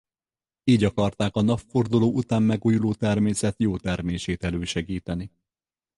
Így akarták a napforduló után megújuló természet jó termését elősegíteni.